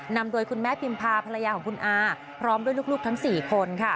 นำโดยคุณแม่พิมพาภรรยาของคุณอาพร้อมด้วยลูกทั้ง๔คนค่ะ